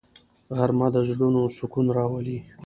غرمه د زړونو سکون راولي